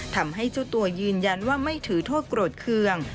ทำให้เจ้าตัวยืนยันว่าไม่ถือโทษโกรธเครื่อง